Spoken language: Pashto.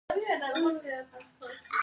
د ایزومرونو انرژي توپیر لري.